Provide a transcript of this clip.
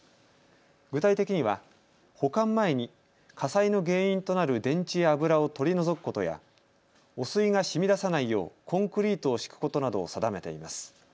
具体的には保管前に火災の原因となる電池や油を取り除くことや汚水がしみ出さないようコンクリートを敷くことなどを定めています。